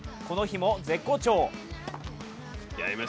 この日も絶好調。